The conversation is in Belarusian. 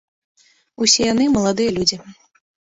Усе яны маладыя людзі.